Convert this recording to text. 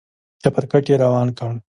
چپرکټ يې روان کړ.